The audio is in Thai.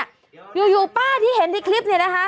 อยู่ป้าที่เห็นในคลิปเนี่ยนะคะ